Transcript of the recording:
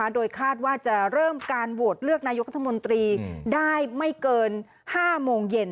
โดยคาดว่าจะเริ่มการโหวตเลือกนายกรัฐมนตรีได้ไม่เกิน๕โมงเย็น